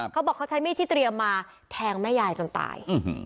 เขาบอกเขาใช้มีดที่เตรียมมาแทงแม่ยายจนตาย